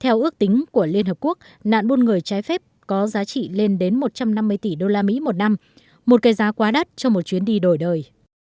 theo ước tính của liên hợp quốc nạn buôn người trái phép có giá trị lên đến một trăm năm mươi tỷ usd một năm một cái giá quá đắt cho một chuyến đi đổi đời